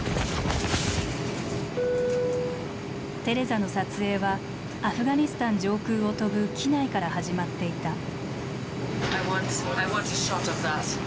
テレザの撮影はアフガニスタン上空を飛ぶ機内から始まっていた。